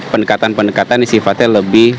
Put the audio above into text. pendekatan pendekatan sifatnya lebih